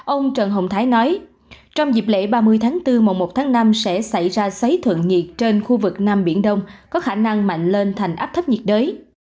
ông trần hồng thái nói trong dịp lễ ba mươi tháng bốn mùa một tháng năm sẽ xảy ra xấy thuận nhiệt trên khu vực nam biển đông có khả năng mạnh lên thành áp thấp nhiệt đới